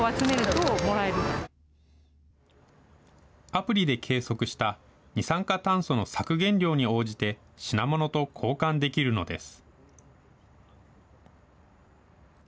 アプリで計測した二酸化炭素の削減量に応じて品物と交換できるのです。